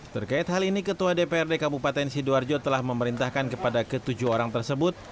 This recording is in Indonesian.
terkait hal ini ketua dprd kabupaten sidoarjo telah memerintahkan kepada ketujuh orang tersebut